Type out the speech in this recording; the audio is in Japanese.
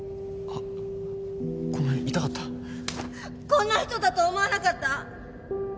こんな人だと思わなかった！